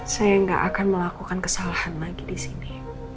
saya nggak akan melakukan kesalahan lagi di sini